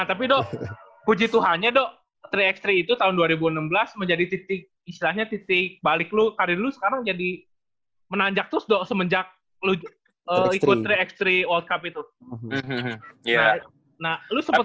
tapi dok puji tuhannya dok tiga x tiga itu tahun dua ribu enam belas menjadi titik istilahnya titik balik lo karena lu sekarang jadi menanjak terus dok semenjak lo ikut tiga x tiga world cup itu